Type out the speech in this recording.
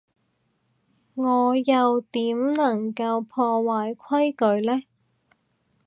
我又點能夠破壞規矩呢？